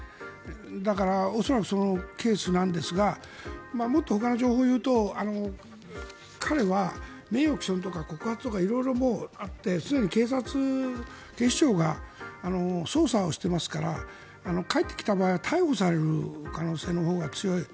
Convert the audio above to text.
だから、恐らくそのケースなんですがもっとほかの情報を言うと彼は名誉毀損とか告発とか色々あってすでに警察、警視庁が捜査をしてますから帰ってきた場合は逮捕される可能性のほうが強い。